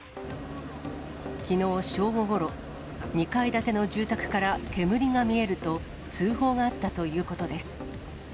きのう正午ごろ、２階建ての住宅から煙が見えると、通報があったということです。